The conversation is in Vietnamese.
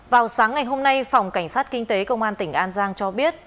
vào sáng ngày hôm nay phòng cảnh sát kinh tế công an tỉnh an giang cho biết